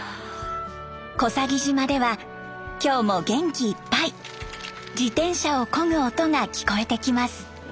小佐木島では今日も元気いっぱい自転車をこぐ音が聞こえてきます。